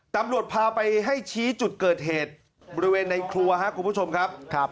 ตำรวจพาไปให้ชี้จุดเกิดเหตุบริเวณในครัวครับคุณผู้ชมครับ